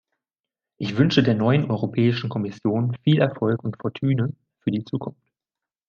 Ich wünsche der neuen Europäischen Kommission viel Erfolg und Fortüne für die Zukunft!